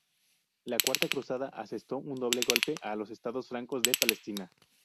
La cuarta cruzada asestó un doble golpe a los Estados francos de Palestina.